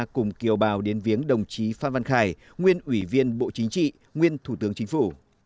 cùng kiều bào đến viếng đồng chí phan văn khải nguyên ủy viên bộ chính trị nguyên thủ tướng chính phủ